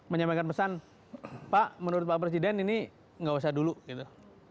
menyampaikan pesan pak menurut pak presiden ini nggak usah dulu gitu